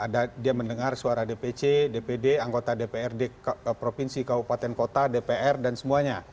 dia mendengar suara dpc dpd anggota dprd provinsi kabupaten kota dpr dan semuanya